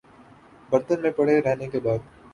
برتن میں پڑے رہنے کے بعد